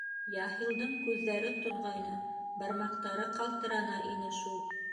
Яһилдың күҙҙәре тонғайны, бармаҡтары ҡалтырана ине шул.